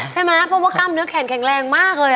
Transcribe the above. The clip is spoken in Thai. ใช่ไหมเพราะว่ากล้ามเนื้อแขนแข็งแรงมากเลย